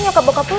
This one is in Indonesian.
ntar lo juga tau